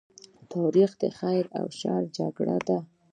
تاریخ د خیر او شر جګړه ده.